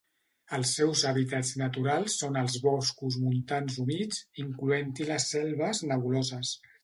Els seus hàbitats naturals són els boscos montans humits, incloent-hi les selves nebuloses.